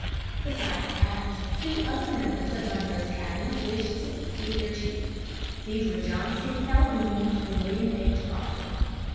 Besides Adams, two other members of Monroe's cabinet wished to succeed their chief. These were John C. Calhoun and William H. Crawford.